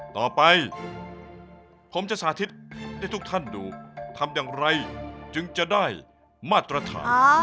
ต่อไปผมจะสาธิตให้ทุกท่านดูทำอย่างไรจึงจะได้มาตรฐาน